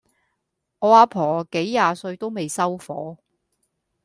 我阿婆幾廿歲都未收火